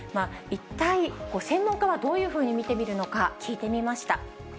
一体、専門家はどういうふうに見ているのか、聞いてみました。